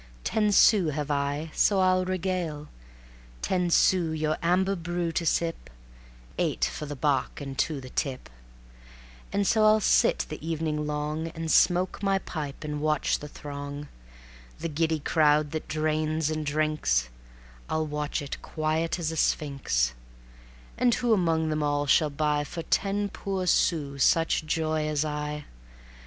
Ten sous have I, so I'll regale; Ten sous your amber brew to sip (Eight for the bock and two the tip), And so I'll sit the evening long, And smoke my pipe and watch the throng, The giddy crowd that drains and drinks, I'll watch it quiet as a sphinx; And who among them all shall buy For ten poor sous such joy as I?